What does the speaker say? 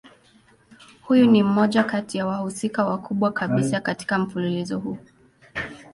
Huyu ni mmoja kati ya wahusika wakubwa kabisa katika mfululizo huu.